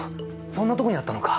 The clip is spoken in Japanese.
そんなとこにあったのか。